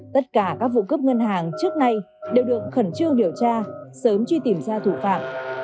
tất cả các vụ cướp ngân hàng trước nay đều được khẩn trương điều tra sớm truy tìm ra thủ phạm